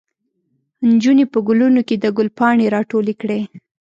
نجونې په ګلونو کې د ګل پاڼې راټولې کړې.